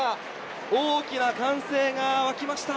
大きな歓声が沸きました。